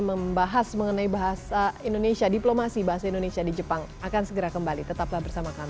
membahas mengenai bahasa indonesia diplomasi bahasa indonesia di jepang akan segera kembali tetaplah bersama kami